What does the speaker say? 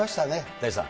大地さん。